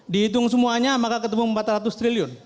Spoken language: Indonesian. dihitung semuanya maka ketemu empat ratus triliun